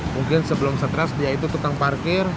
mungkin sebelum stres dia itu tukang parkir